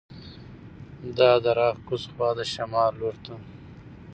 دا دره د کوز خوات د شمال لور ته